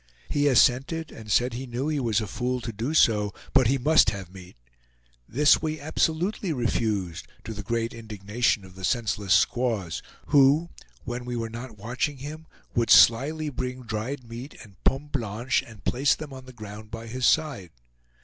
He assented, and said he knew he was a fool to do so, but he must have meat. This we absolutely refused, to the great indignation of the senseless squaws, who, when we were not watching him, would slyly bring dried meat and POMMES BLANCHES, and place them on the ground by his side.